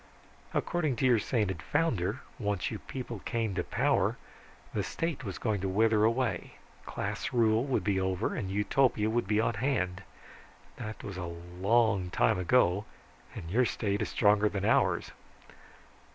"According to your sainted founder, once you people came to power the State was going to wither away, class rule would be over, and Utopia be on hand. That was a long time ago, and your State is stronger than ours."